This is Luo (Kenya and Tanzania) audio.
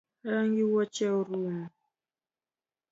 Rangi wuoche orumo